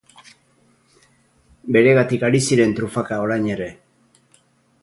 Beregatik ari ziren trufaka orain ere.